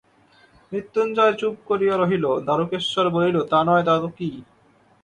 মৃত্যুঞ্জয় চুপ করিয়া রহিল, দারুকেশ্বর বলিল, তা নয় তো কী?